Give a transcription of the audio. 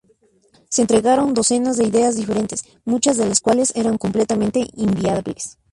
Se entregaron docenas de ideas diferentes, muchas de las cuales eran completamente inviables.